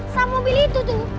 sama mobil itu tuh